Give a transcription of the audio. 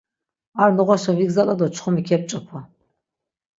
Ar noğaşa vigzala do çxomi kep̆ç̆opa.